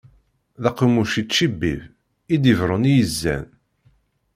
D aqemmuc ičibib, i d-iberrun i yizan.